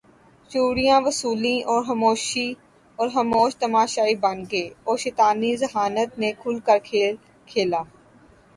چوڑیاں وصولیں اور خاموش تماشائی بن گئے اور شیطانی ذہانت نے کھل کر کھیل کھیلا